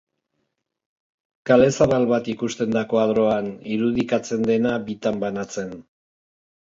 Kale zabal bat ikusten da koadroan irudikatzen dena bitan banatzen.